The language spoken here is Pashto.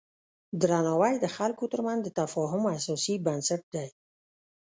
درناوی د خلکو ترمنځ د تفاهم اساسي بنسټ دی.